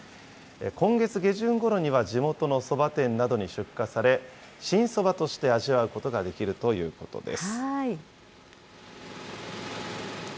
今月下旬ごろには地元のそば店などに出荷され、新そばとして味わうことができるということです。